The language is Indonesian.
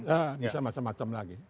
bisa macam macam lagi